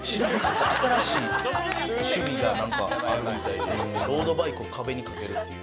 新しい趣味がなんかあるみたいでロードバイクを壁に掛けるっていう。